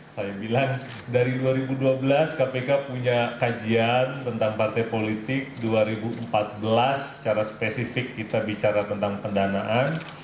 saya bilang dari dua ribu dua belas kpk punya kajian tentang partai politik dua ribu empat belas secara spesifik kita bicara tentang pendanaan